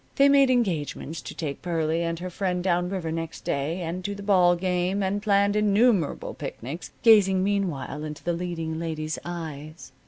They made engagements to take Pearlie and her friend down river next day, and to the ball game, and planned innumerable picnics, gazing meanwhile into the leading lady's eyes.